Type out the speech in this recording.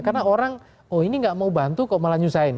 karena orang oh ini nggak mau bantu kok malah nyusahin